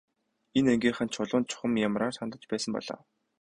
Энэ ангийнхан Чулуунд чухам ямраар хандаж байсан бол оо.